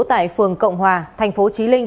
tại phường cộng hòa thành phố trí linh